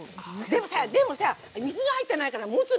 でもさでもさ水が入ってないからもつのよすごく。